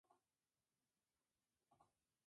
Recibió el nombre de Colonia Finlandesa.